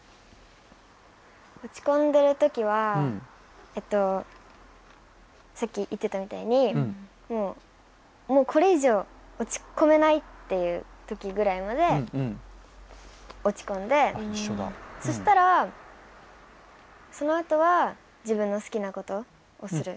落ち込んでるときはさっき言っていたみたいにもうこれ以上、落ち込めないっていうときぐらいまで落ち込んで、そしたらそのあとは自分の好きなことをする。